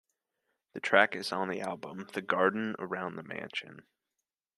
The track is on the album "The garden around the mansion".